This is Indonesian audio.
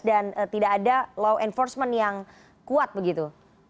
dan tidak ada law enforcement yang kuat begitu